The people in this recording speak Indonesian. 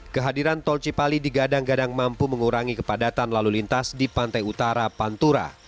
kehadiran tol cipali digadang gadang mampu mengurangi kepadatan lalu lintas di pantai utara pantura